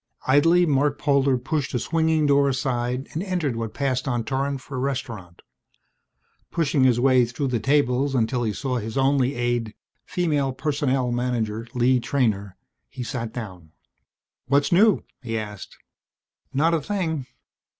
Idly Marc Polder pushed a swinging door aside and entered what passed on Torran for a restaurant. Pushing his way through the tables until he saw his only aide, Female Personnel Manager Lee Treynor, he sat down. "What's new?" he asked. "Not a thing."